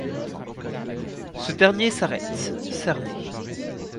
Ce dernier s’arrête, cerné.